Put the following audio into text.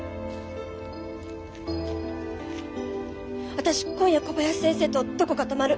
私今夜小林先生とどこか泊まる。